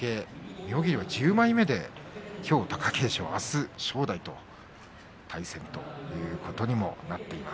妙義龍は１０枚目できょう貴景勝あす正代と対戦ということにもなっています。